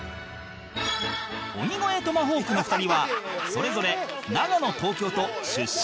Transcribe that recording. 鬼越トマホークの２人はそれぞれ長野東京と出身は別々